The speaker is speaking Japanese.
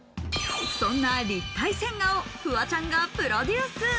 そんな立体線画をフワちゃんがプロデュース。